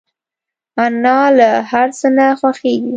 انا له هر څه نه خوښيږي